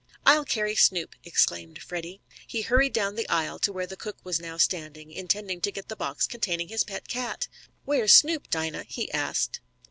"I'll carry Snoop," exclaimed Freddie. He hurried down the aisle to where the cook was now standing, intending to get the box containing his pet cat. "Where's Snoop, Dinah?" he asked.